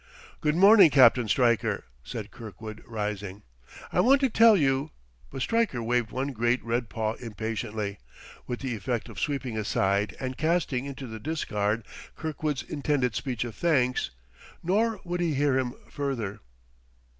"Good morning, Captain Stryker," said Kirkwood, rising. "I want to tell you " But Stryker waved one great red paw impatiently, with the effect of sweeping aside and casting into the discard Kirkwood's intended speech of thanks; nor would he hear him further.